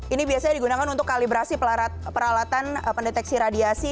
ini biasanya digunakan untuk kalibrasi peralatan pendeteksi radiasi